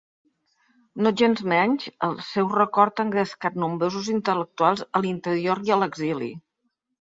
Nogensmenys, el seu record ha engrescat nombrosos intel·lectuals a l'interior i a l'exili.